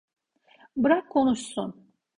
Bırak konuşsun.